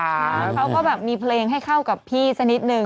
เขาก็แบบมีเพลงให้เข้ากับพี่สักนิดนึง